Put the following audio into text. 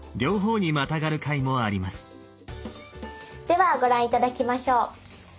ではご覧頂きましょう。